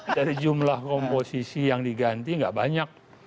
dari jumlah komposisi yang diganti nggak banyak